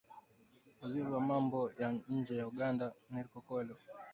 Waziri wa Mambo ya Nje wa Uganda HenryOKello Oryem alisema anatarajia uchaguzi utamalizika kwa Usalama.